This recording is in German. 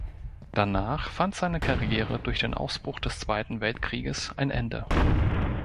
Danach fand seine Karriere durch den Ausbruch des Zweiten Weltkrieges ein Ende.